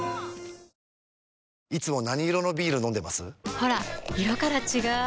ほら色から違う！